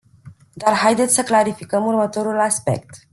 Dar haideți să clarificăm următorul aspect.